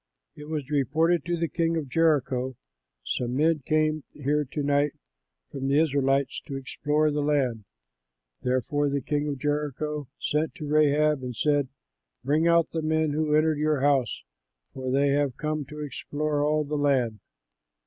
It was reported to the king of Jericho, "Some men came here to night from the Israelites to explore the land." Therefore the king of Jericho sent to Rahab and said, "Bring out the men who entered your house, for they have come to explore all the land."